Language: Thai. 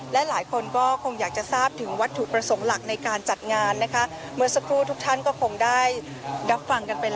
และหลายคนก็คงอยากจะทราบถึงวัตถุประสงค์หลักในการจัดงานนะคะเมื่อสักครู่ทุกท่านก็คงได้รับฟังกันไปแล้ว